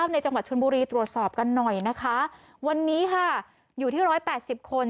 ในจังหวัดชนบุรีตรวจสอบกันหน่อยนะคะวันนี้ค่ะอยู่ที่ร้อยแปดสิบคน